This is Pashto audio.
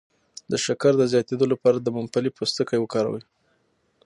د شکر د زیاتیدو لپاره د ممپلی پوستکی وکاروئ